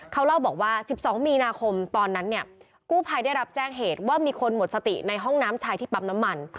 เขาเล่าบอกว่า๑๒มีนาคมตอนนั้นเนี่ยกู้ภัยได้รับแจ้งเหตุว่ามีคนหมดสติในห้องน้ำชายที่ปั๊มน้ำมัน